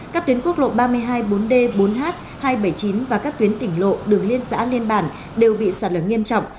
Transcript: các tuyến quốc lộ ba mươi hai bốn d bốn h hai trăm bảy mươi chín và các tuyến tỉnh lộ đường liên xã liên bản đều bị sạt lở nghiêm trọng